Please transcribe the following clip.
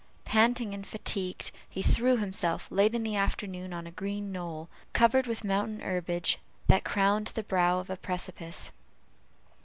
Panting and fatigued, he threw himself, late in the afternoon, on a green knoll, covered with mountain herbage, that crowned the brow of a precipice.